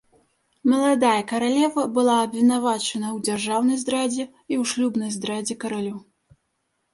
Маладая каралева была абвінавачана ў дзяржаўнай здрадзе і ў шлюбнай здрадзе каралю.